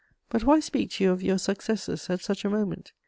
But why speak to you of your successes at such a moment?